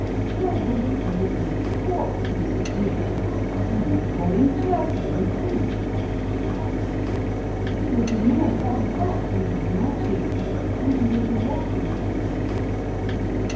"Why wait for written reports, Mr. Cleek? Why not call in person and see?" she asked. "It will be more satisfactory than writing; and you will be welcome always."